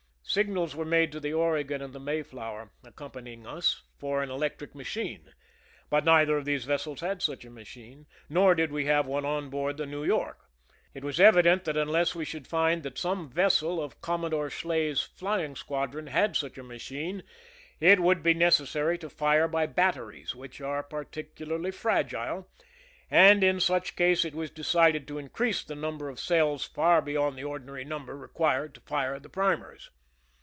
Signals were made to the Oregon and the Mayflower^ accompanying us, for an electric machine ; but neither of these vessels had such a machine, nor did we have one on board the New York. It was evident that unless we should find that some vessel of Commodore Schley's Flying Squadron had such a machine, it would be neces sary to fire by batteries, which are particularly fragile ; and in such case it was decided to increase the number of cells far beyond the ordinary num ber required to fire the primers.